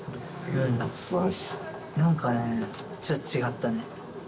うん何かねちょっと違ったね